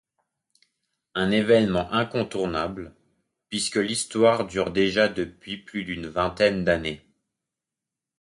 Un événement incontournable, puisque l'histoire dure déjà depuis plus d'une vingtaine d'années.